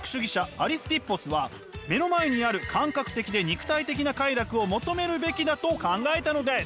アリスティッポスは目の前にある感覚的で肉体的な快楽を求めるべきだと考えたのです。